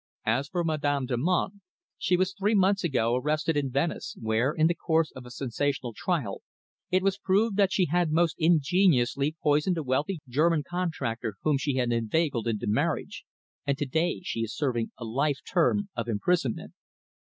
As for Madame Damant, she was three months ago arrested in Venice, where, in the course of a sensational trial, it was proved that she had most ingeniously poisoned a wealthy German contractor whom she had inveigled into marriage, and to day she is serving a life term of imprisonment.